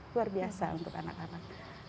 luar biasa untuk anak anak